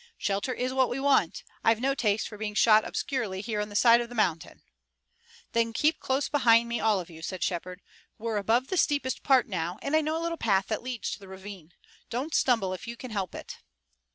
"Shelter is what we want. I've no taste for being shot obscurely here on the side of the mountain." "Then keep close behind me, all of you," said Shepard. "We're above the steepest part now, and I know a little path that leads to the ravine. Don't stumble if you can help it."